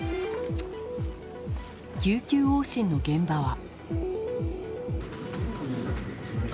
救急往診の現場は。